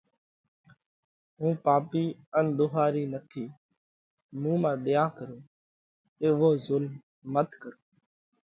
هُون پاپِي ان ۮوهارِي نٿِي۔ مُون مانه ۮئيا ڪرو۔ ايوو ظُلم مت ڪرو،